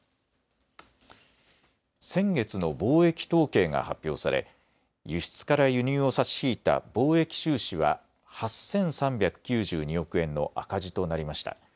先月の貿易統計が発表され輸出から輸入を差し引いた貿易収支は８３９２億円の赤字となりました。